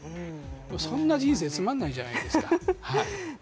そんな人生つまんないじゃないですか。